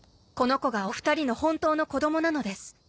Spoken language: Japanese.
この子がお二人の本当の子どもなのです。